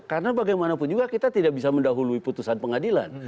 karena bagaimanapun juga kita tidak bisa mendahului putusan pengadilan